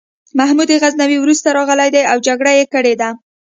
محمود غزنوي وروسته راغلی دی او جګړه یې کړې ده.